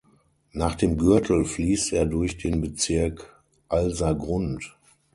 Nach dem Gürtel fließt er durch den Bezirk Alsergrund.